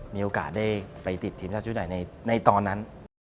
มีโอกาสได้ไปติดทีมชาติชุดไหนในตอนนั้น